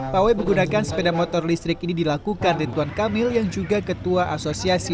pawai menggunakan sepeda motor listrik ini dilakukan rituan kamil yang juga ketua asosiasi